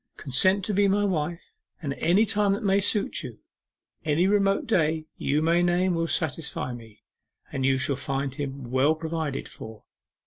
Consent to be my wife at any time that may suit you any remote day you may name will satisfy me and you shall find him well provided for.